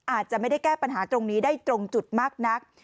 อาจจะไม่ได้แก้ปัญหาตรงนี้ได้ตรงจุดมากนัก